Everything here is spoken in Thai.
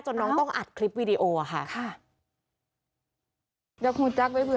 น้องต้องอัดคลิปวีดีโอค่ะ